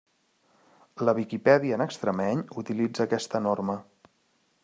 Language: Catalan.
La Viquipèdia en extremeny utilitza aquesta norma.